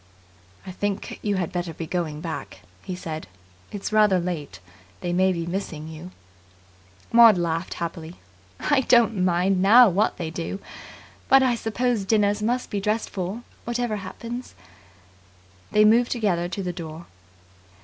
"I think you had better be going back," he said. "It's rather late. They may be missing you." Maud laughed happily. "I don't mind now what they do. But I suppose dinners must be dressed for, whatever happens." They moved together to the door.